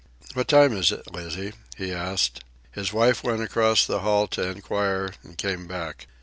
"What time is it, Lizzie?" he asked. His wife went across the hall to inquire, and came back.